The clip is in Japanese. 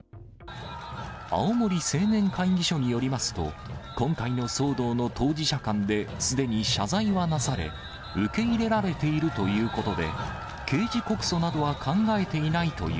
青森青年会議所によりますと、今回の騒動の当事者間ですでに謝罪はなされ、受け入れられているということで、刑事告訴などは考えていないとい